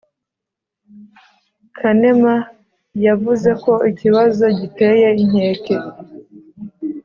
Kanema yavuze ko ikibazo giteye inkeke,